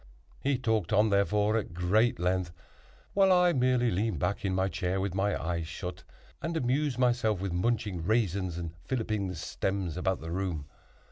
He talked on, therefore, at great length, while I merely leaned back in my chair with my eyes shut, and amused myself with munching raisins and filliping the stems about the room.